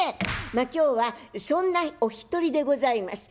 まあ今日はそんなお一人でございます。